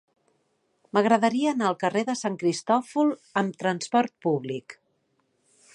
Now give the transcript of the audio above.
M'agradaria anar al carrer de Sant Cristòfol amb trasport públic.